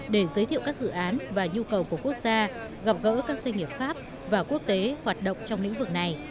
để giới thiệu các dự án và nhu cầu của quốc gia gặp gỡ các doanh nghiệp pháp và quốc tế hoạt động trong lĩnh vực này